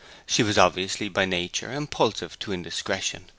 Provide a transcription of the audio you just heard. She was obviously, by nature, impulsive to indiscretion.